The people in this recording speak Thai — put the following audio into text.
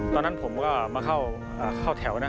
ตอนนั้นผมก็มาเข้าแถวนะ